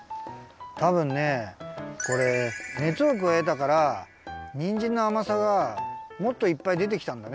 たぶんねこれねつをくわえたからにんじんのあまさがもっといっぱいでてきたんだね。